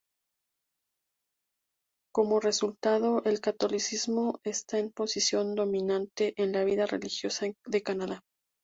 Como resultado, el catolicismo está en posición dominante en la vida religiosa de Canadá.